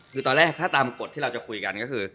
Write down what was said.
คือตอนแรกถ้าตามกฎที่เราจะคุยกันก็คือ